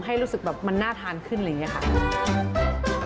ให้รู้สึกแบบมันน่าทานขึ้นอะไรอย่างนี้ค่ะ